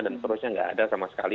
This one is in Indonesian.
dan seterusnya tidak ada sama sekali